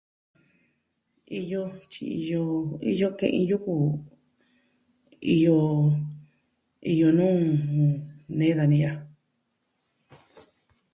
Iyo. Tyi iyo, iyo ke'in yuku. Iyo... iyo nuu... nee dani ya'a.